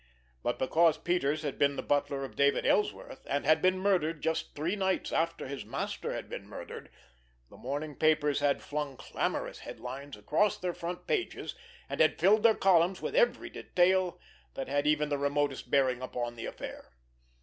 But because Peters had been the butler of David Ellsworth, and had been murdered just three nights after his master had been murdered, the morning papers had flung clamorous headlines across their front pages, and had filled their columns with every detail that had even the remotest bearing upon the affair.